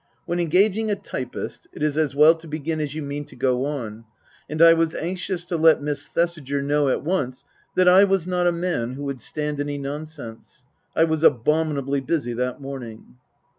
When engaging a typist it is as well to begin as you mean to go on, and I was anxious to let Miss Thesiger know at once that I was not a man who would stand any nonsense. I was abominably busy that morning.